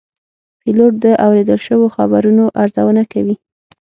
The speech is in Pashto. پیلوټ د اورېدل شوو خبرونو ارزونه کوي.